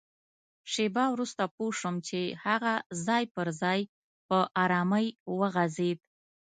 شېبه وروسته پوه شوم چي هغه ځای پر ځای په ارامۍ وغځېد.